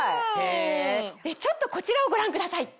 ちょっとこちらをご覧ください。